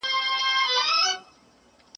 دریم لوری یې د ژوند نه دی لیدلی !.